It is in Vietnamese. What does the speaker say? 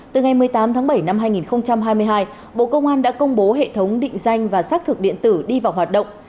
từ ngày một mươi tám tháng bảy năm hai nghìn hai mươi hai bộ công an đã công bố hệ thống định danh và xác thực điện tử đi vào hoạt động